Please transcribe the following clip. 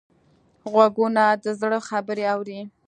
غوږونه د زړه خبرې اوري